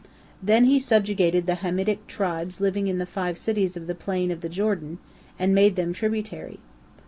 Then he subjugated the Hamitic tribes living in the five cities of the plain of the Jordan, and made them tributary.